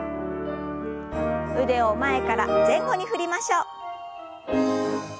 腕を前から前後に振りましょう。